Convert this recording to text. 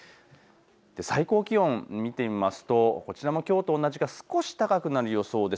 最高気温、見てみますとこちらもきょうと同じか少し高くなる予想です。